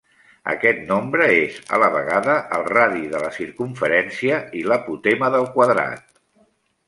Aquest nombre és, a la vegada, el radi de la circumferència i l'apotema del quadrat.